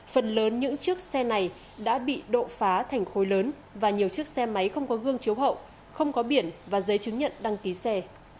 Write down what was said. phần lớn những chiếc xe này đã bị độ phá thành khối lớn và nhiều chiếc xe máy không có gương chiếu hậu không có biển và giấy chứng nhận đăng ký xe